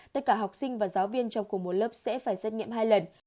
tất cả học sinh và giáo viên trong cùng một lớp sẽ phải xét nghiệm hai lần